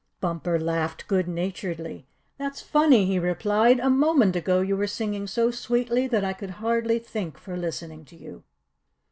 Bumper laughed good naturedly. "That's funny," he replied. "A moment ago you were singing so sweetly that I could hardly think for listening to you."